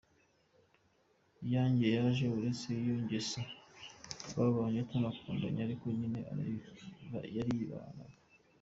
yanjye kandi uretse iyo ngeso twabanye tunakundanye ariko nyine yaribanaga.